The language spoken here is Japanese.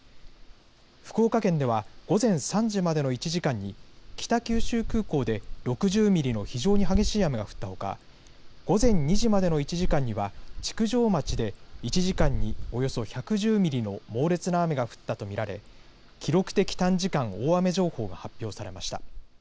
福岡県では午前３時までの１時間に北九州空港で６０ミリの非常に激しい雨が降ったほか午前２時までの１時間には築上町で１時間におよそ１１０ミリの猛烈な雨が降ったと見られ記録的短時間大雨情報が発表されました。